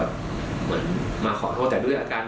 และยืนยันเหมือนกันว่าจะดำเนินคดีอย่างถึงที่สุดนะครับ